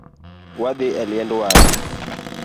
Wadhii e liend waya